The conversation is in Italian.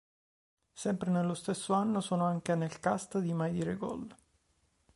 Sempre nello stesso anno sono anche nel cast di "Mai dire Gol".